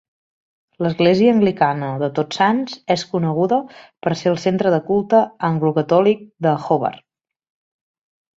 L'església anglicana de Tots Sants és coneguda per ser el centre de culte anglo-catòlic de Hobart.